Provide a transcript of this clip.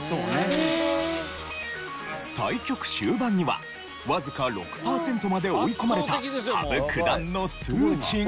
対局終盤にはわずか６パーセントまで追い込まれた羽生九段の数値が。